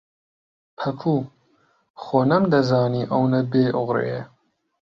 پەکوو، خۆ نەمدەزانی ئەوەندە بێئۆقرەیە.